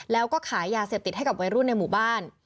แล้วก็ขายยาเสพติดให้กับวัยรุ่นในหมู่บ้าน